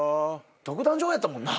独壇場やったもんな。